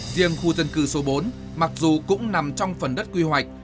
riêng khu dân cư số bốn mặc dù cũng nằm trong phần đất quy hoạch